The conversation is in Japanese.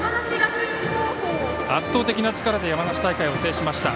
圧倒的な力で山梨大会を制しました。